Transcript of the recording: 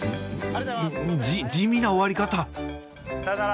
じ地味な終わり方さようなら。